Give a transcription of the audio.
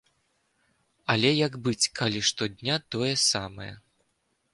Але як быць, калі штодня тое самае?